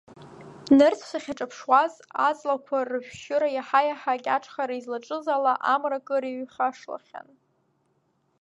Нырцә сахьаҿаԥшуаз, аҵлақуа рышәшьыра иаҳа-иаҳа акьаҿхара излаҿыз ала, амра кыр иҩхашлахьан.